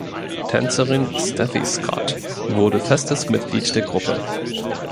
Tänzerin Steffi Scott wurde festes Mitglied der Gruppe.